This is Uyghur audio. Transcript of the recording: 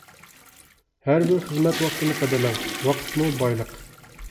ھەر بىر خىزمەت ۋاقتىنى قەدىرلەڭ، ۋاقىتمۇ بايلىق.